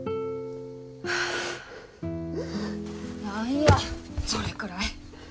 何やそれくらい。